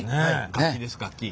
楽器です楽器。